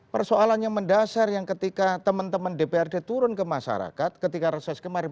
persoalannya mendasar ketika teman teman dprd turun ke masyarakat ketika reses kemarin